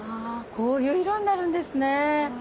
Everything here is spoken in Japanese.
こういう色になるんですね。